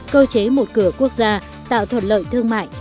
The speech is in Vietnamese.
cơ chế một cửa quốc gia tạo thuận lợi thương mại